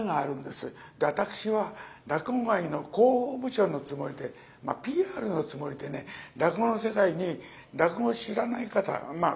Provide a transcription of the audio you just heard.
私は落語界の広報部長のつもりでＰＲのつもりでね落語の世界に落語を知らない方まあ